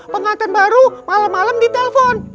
pengaturan baru malam malam ditelepon